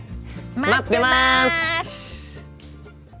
待ってます！